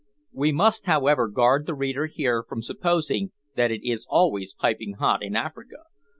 We must however guard the reader here from supposing that it is always piping hot in Africa.